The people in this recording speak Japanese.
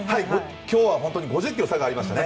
今日は本当に５０キロの差がありましたね。